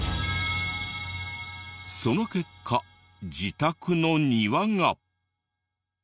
その結果自宅の庭が。